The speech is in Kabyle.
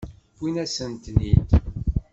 Wwin-asent-ten-id.